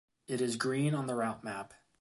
It is green on the route map.